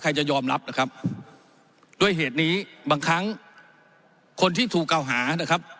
จะยอมรับนะครับด้วยเหตุนี้บางครั้งคนที่ถูกเก่าหานะครับ